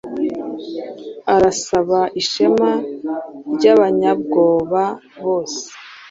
arasaba ishema ryabanyabwoba bose